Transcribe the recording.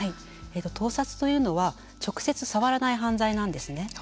盗撮というのは直接触らない犯罪なんですね。